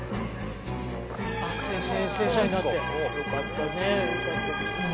正社員になってよかったね。